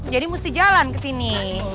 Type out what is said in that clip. jadi mesti jalan ke sini